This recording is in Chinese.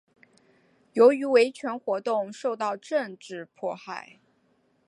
由于维权活动受到政治迫害。